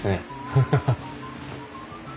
ハハハッ。